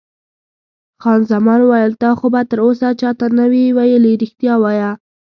خان زمان وویل: تا خو به تراوسه چا ته نه وي ویلي؟ رښتیا وایه.